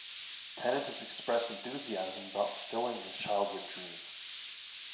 Tennant has expressed enthusiasm about fulfilling his childhood dream.